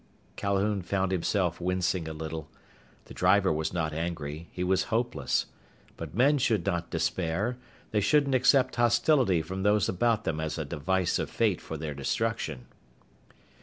Calhoun found himself wincing a little. The driver was not angry. He was hopeless. But men should not despair. They shouldn't accept hostility from those about them as a device of fate for their destruction.